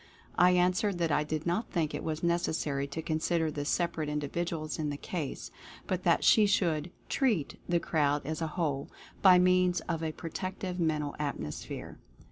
I answered that I did not think it was necessary to consider the separate individuals in the case, but that she should "treat" the crowd as a whole, by means of a protective Mental Atmosphere.